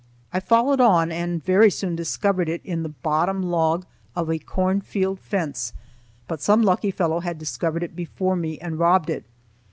I followed on and very soon discovered it in the bottom log of a corn field fence, but some lucky fellow had discovered it before me and robbed it.